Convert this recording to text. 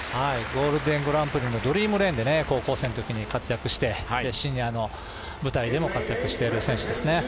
ゴールデングランプリのドリームレーンで高校生のときに活躍してシニアの舞台でも活躍している選手ですね。